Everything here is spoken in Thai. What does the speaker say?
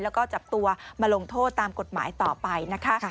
แล้วก็จับตัวมาลงโทษตามกฎหมายต่อไปนะคะ